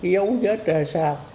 dấu vết ra sao